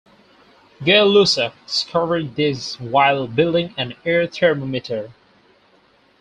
Gay Lussac discovered this while building an "air thermometer".